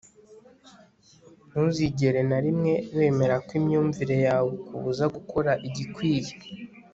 ntuzigere na rimwe wemera ko imyumvire yawe ikubuza gukora igikwiye